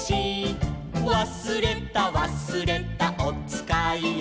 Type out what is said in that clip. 「わすれたわすれたおつかいを」